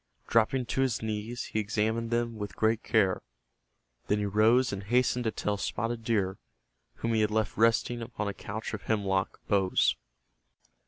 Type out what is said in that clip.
Dropping to his knees he examined them with great care. Then he rose and hastened to tell Spotted Deer, whom he had left resting upon a couch of hemlock boughs.